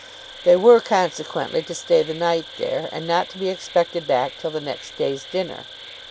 They were, consequently, to stay the night there, and not to be expected back till the next day's dinner.